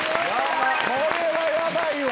これはヤバいわ！